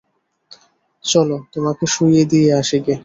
চলো তোমাকে শুইয়ে দিয়ে আসি গে।